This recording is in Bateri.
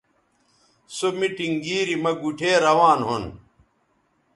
سو میٹنگ گیری مہ گوٹھے روان ھُون